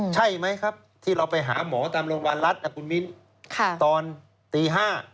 ใช่ไหมครับที่เราไปหาหมอตามโรงพยาบาลรัฐนะคุณมิ้นตอนตี๕